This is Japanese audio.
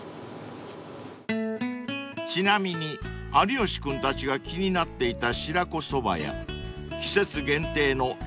［ちなみに有吉君たちが気になっていた白子そばや季節限定のなめこそばもお薦め］